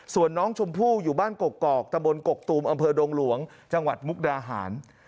ส่วนน้องชมพู่อยู่บ้านกกกอกตระบลกกกตูมอดงหลวงจมกราหาร